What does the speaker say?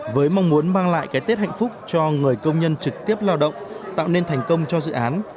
với mong muốn mang lại cái tết hạnh phúc cho người công nhân trực tiếp lao động tạo nên thành công cho dự án